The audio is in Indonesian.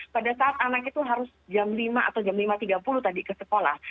pada saat anak itu harus jam lima atau jam lima tiga puluh tadi ke sekolah